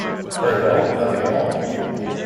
Very well, will that be all?